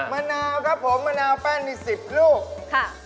มะนาวครับผมมะนาวแป้งมี๑๐รูป